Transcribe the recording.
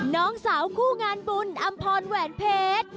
น้องสาวคู่งานบุญอำพรแหวนเพชร